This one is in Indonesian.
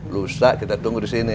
lusa kita tunggu di sini